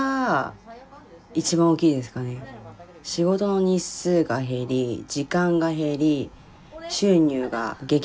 仕事の日数が減り時間が減り収入が激減して。